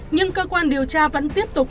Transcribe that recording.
nhưng cơ quan điều tra vẫn tiếp tục